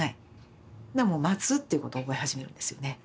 待つっていうことを覚え始めるんですよね。